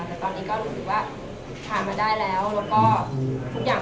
แต่ตอนนี้ก็รู้สึกว่าผ่านมาได้แล้วแล้วก็ทุกอย่าง